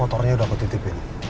motornya udah aku titipin